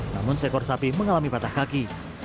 namun seekor sapi mengalami patah kaki